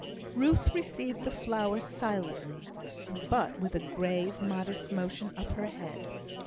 Ruth received the flower silently, but with a grave, modest motion of her head.